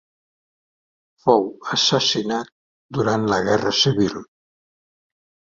Fou assassinat durant la Guerra Civil.